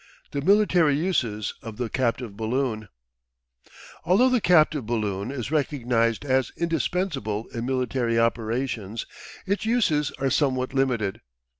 THE MILITARY USES of THE CAPTIVE BALLOON Although the captive balloon is recognised as indispensable in military operations, its uses are somewhat limited.